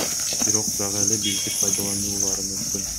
Бирок дагы деле бизди пайдалануулары мүмкүн.